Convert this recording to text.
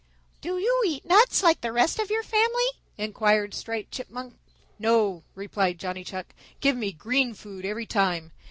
"Do you eat nuts like the rest of our family?" inquired Striped Chipmunk. "No," replied Johnny Chuck. "Give me green food every time.